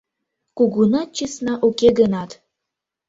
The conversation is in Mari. Кугунат чесна уке гынат